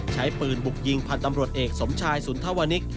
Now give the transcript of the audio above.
ใช้ปืนบุกยิงพันธ์ตำรวจเอกสมชายสุนทวนิก